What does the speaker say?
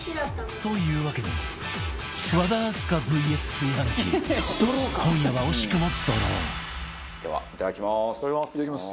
というわけで和田明日香 ＶＳ 炊飯器今夜は惜しくもドローではいただきます。